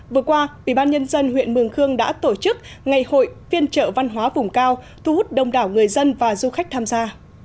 vừa qua ủy ban nhân dân huyện mường khương đã tổ chức ngày hội phiên trợ văn hóa vùng cao thu hút đông đảo người dân và du khách tham gia